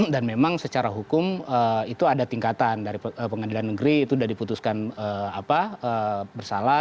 dan memang secara hukum itu ada tingkatan dari pengadilan negeri itu sudah diputuskan bersalah